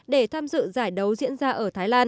để tham dự giải đấu diễn ra ở thái lan